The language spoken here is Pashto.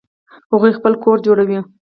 هغوی خپل کور جوړوي